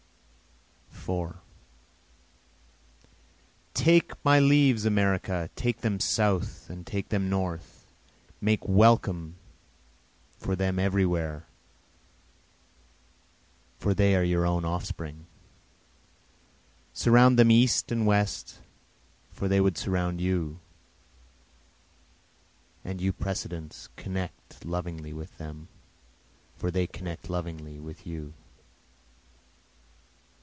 4 Take my leaves America, take them South and take them North, Make welcome for them everywhere, for they are your own off spring, Surround them East and West, for they would surround you, And you precedents, connect lovingly with them, for they connect lovingly with you.